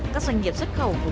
các doanh nghiệp xuất khẩu hồn